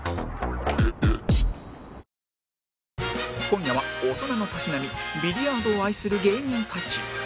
今夜は大人のたしなみビリヤードを愛する芸人たち